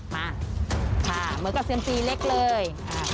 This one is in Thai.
มาค่ะเหมือนกับเซียมซีเล็กเลย